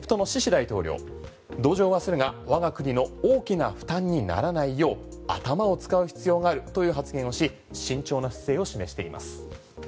大統領同情はするが我が国の大きな負担にならないよう頭を使う必要があるという発言をし慎重な姿勢を示しています。